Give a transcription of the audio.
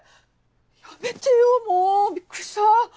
やめてよもうびっくりした。